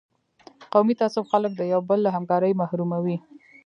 قومي تعصب خلک د یو بل له همکارۍ محروموي.